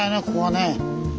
ここはね。